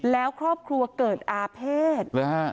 แล้วครอบครัวเกิดอาเภษ